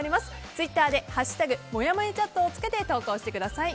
ツイッターで「＃もやもやチャット」をつけて投稿してください。